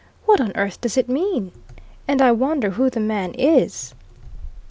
What on earth does it mean? And I wonder who the man is?"